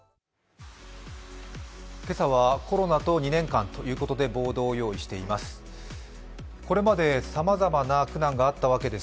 今朝はコロナと２年間ということでボードを用意しています。